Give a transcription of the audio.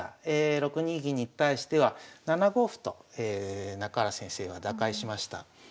６二銀に対しては７五歩と中原先生は打開しました。